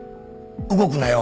動くなよ。